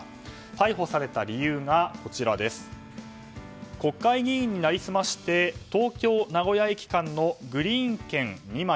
逮捕された理由が国会議員に成り済まして東京名古屋駅間のグリーン券２枚